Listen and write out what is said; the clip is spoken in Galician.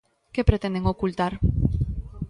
Que pretenden ocultar?